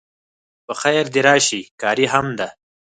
په خیر د راشی قاری هم ده